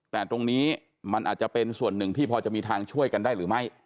แต่ตรงนี้มันอาจจะเป็นส่วนหนึ่งที่พอจะมีทางช่วยกันได้หรือไม่